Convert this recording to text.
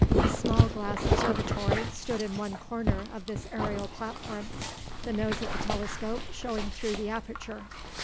A small glass observatory stood in one corner of this aerial platform, the nose of the telescope showing through the aperture.